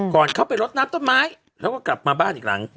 ก่อนเข้าไปรดน้ำต้นไม้แล้วก็กลับมาบ้านอีกหลัง